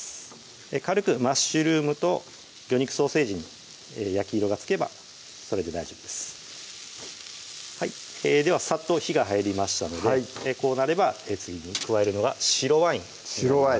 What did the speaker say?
軽くマッシュルームと魚肉ソーセージに焼き色がつけばそれで大丈夫ですではサッと火が入りましたのでこうなれば次に加えるのが白ワインになります